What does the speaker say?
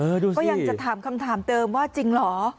ก็ยังจะถามคำถามเติมว่าจริงเหรอ